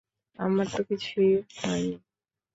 আমার তো কিছু হয়নি।